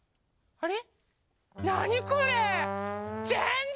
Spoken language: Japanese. あれ？